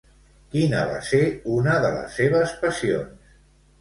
Quina va ser una de les seves passions?